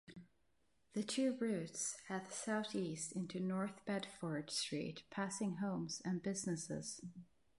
The two routes head southeast onto North Bedford Street, passing homes and businesses.